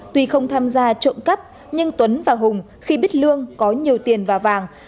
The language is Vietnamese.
tuy không tham gia trộm cắp nhưng tuấn và hùng khi biết lương có nhiều tiền và vàng